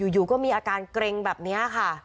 อยู่ก็มีอาการเกร็งแบบนี้ค่ะ